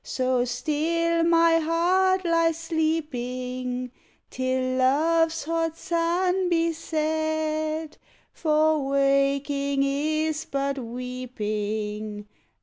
So still my heart lie sleeping Till love's hot sun be set, For waking is but weeping.